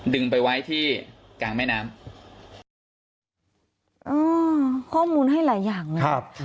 ไปไว้ที่กลางแม่น้ำอ่าข้อมูลให้หลายอย่างเลยครับ